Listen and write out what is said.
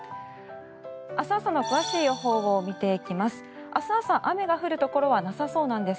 明日朝の詳しい予報を見ていきます。